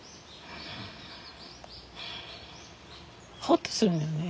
ほっとするのね